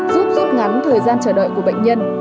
giúp rút ngắn thời gian chờ đợi của bệnh nhân